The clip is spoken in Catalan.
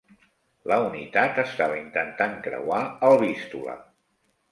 La unitat estava intentant creuar el Vístula.